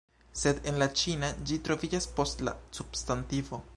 Sed en la ĉina ĝi troviĝas post la substantivo